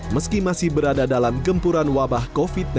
meski masih berada dalam gempuran wabah covid sembilan belas